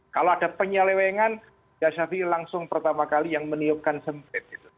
kalau ada penyelewengan buya syafi'i langsung pertama kali yang meniupkan sempit